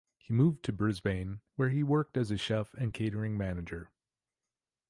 He moved to Brisbane where he worked as a chef and catering manager.